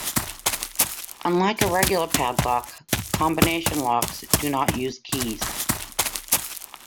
Unlike a regular padlock, combination locks do not use keys.